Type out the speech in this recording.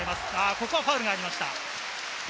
ここはファウルがありました。